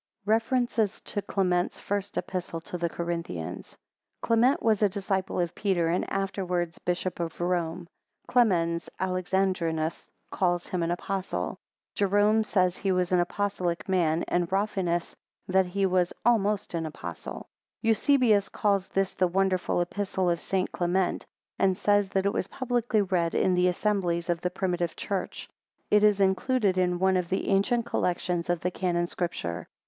REFERENCES TO CLEMENT'S FIRST EPISTLE TO THE CORINTHIANS. [Clement was a disciple of Peter, and afterwards Bishop of Rome. Clemens Alexandrinus calls him an apostle. Jerome says he was an apostolic man, and Rafinus that he was almost an apostle. Eusebius calls this the wonderful Epistle of St. Clement, and says that it was publicly read in the assemblies of the primitive church. It is included in one of the ancient collections of the Canon Scripture.